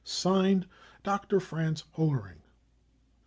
( Signed ) Dr. Franz Hollering.